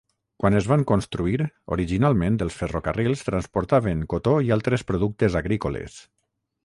Quan es van construir, originalment els ferrocarrils transportaven cotó i altres productes agrícoles.